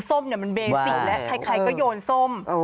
ส้มเนี่ยมันเบสิแล้วใครก็โยนส้ม